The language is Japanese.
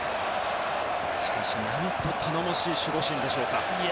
しかし、何と頼もしい守護神でしょうか。